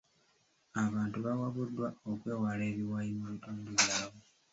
Abantu bawabuddwa okwewala ebiwayi mu bitundu byabwe.